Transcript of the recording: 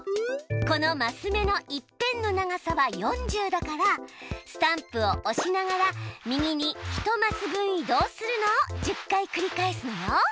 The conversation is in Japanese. このマス目の一辺の長さは４０だからスタンプをおしながら右に１マス分移動するのを１０回繰り返すのよ。